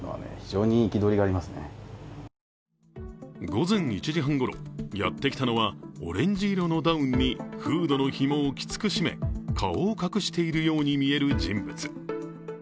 午前１時半ごろ、やってきたのはオレンジ色のダウンにフードのひもをきつくしめ顔を隠しているように見える人物。